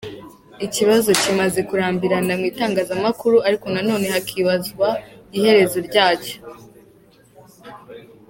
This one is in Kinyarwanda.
Ikibazo kimaze kurambirana mu itangazamakuru ariko nanone hakibazwa iherezo ryacyo.